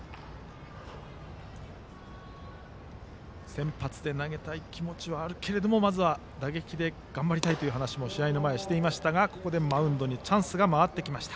先発で投げたい気持ちはあるけれどもまずは打撃で頑張りたいという話も試合の前にしていましたがここでマウンドにチャンスが回ってきました。